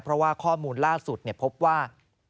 เพราะว่าข้อมูลล่าสุดพบว่า